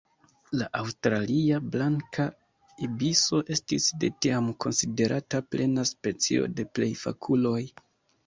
La Aŭstralia blanka ibiso estis de tiam konsiderata plena specio de plej fakuloj.